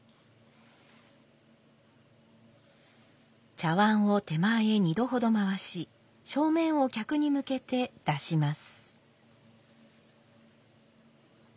茶碗を手前へ２度ほど回し正面を客に向けて出します。